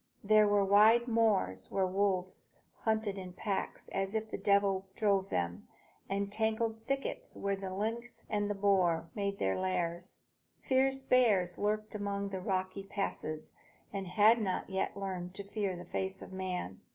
There were wide moors where the wolves hunted in packs as if the devil drove them, and tangled thickets where the lynx and the boar made their lairs. Fierce bears lurked among the rocky passes, and had not yet learned to fear the face of man.